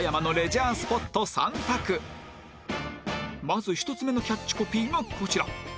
まず１つ目のキャッチコピーがこちら